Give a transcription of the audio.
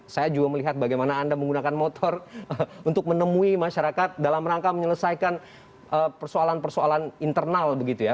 saya juga melihat bagaimana anda menggunakan motor untuk menemui masyarakat dalam rangka menyelesaikan persoalan persoalan internal begitu ya